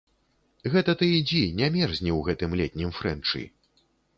Гэта ты ідзі, не мерзні ў гэтым летнім фрэнчы.